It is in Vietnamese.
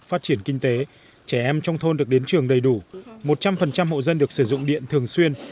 phát triển kinh tế trẻ em trong thôn được đến trường đầy đủ một trăm linh hộ dân được sử dụng điện thường xuyên